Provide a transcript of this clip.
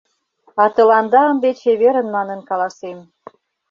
— А тыланда ынде чеверын манын каласем.